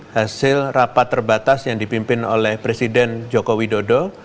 hasil rapat terbatas yang dipimpin oleh presiden joko widodo